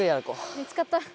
見つかった。